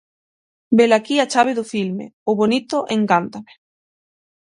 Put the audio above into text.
Velaquí a chave do filme: "O bonito encántame".